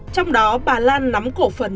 trong đó bà lan nắm cổ phần